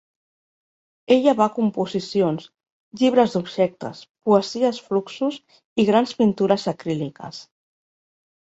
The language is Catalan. Ella va composicions, llibres d"objectes, poesia fluxus i grans pintures acríliques.